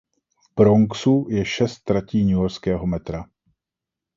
V Bronxu je šest tratí newyorského metra.